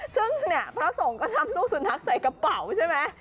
ซึ่งเนี่ยพระสงฆ์ก็ทำลูกสุนัขใส่กระเป๋าใช่ไหม